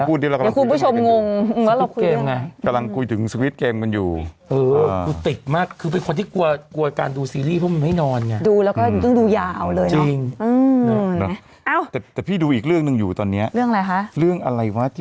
โอเคพูดดิเรากำลังคุยกันไงกันดีกว่าสวิตเกมไงพูดเรื่องไง